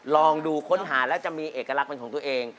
ลองดูค้นหาแล้วจะมีเอกลักษณ์เป็นของตัวเอง